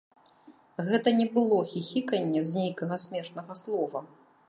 Гэта не было хіхіканне з нейкага смешнага слова.